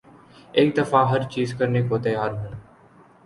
ایک دفعہ ہر چیز کرنے کو تیار ہوں